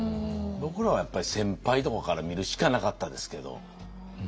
僕らはやっぱり先輩とかから見るしかなかったですけど。